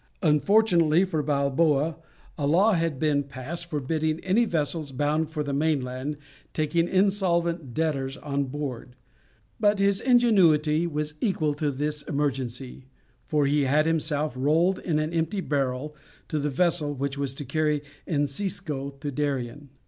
Unfortunately for Balboa a law had been passed forbidding any vessels bound for the mainland taking insolvent debtors on board, but his ingenuity was equal to this emergency, for he had himself rolled in an empty barrel to the vessel which was to carry Encisco to Darien.